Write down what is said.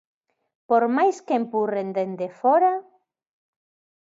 Por mais que empurren dende fóra...